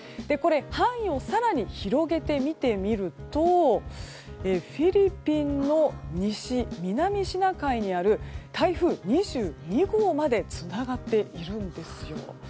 範囲を更に広げて見てみるとフィリピンの西南シナ海にある台風２２号までつながっているんですよ。